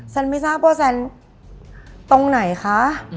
ฉันไม่ทราบว่าฉันตรงไหนคะ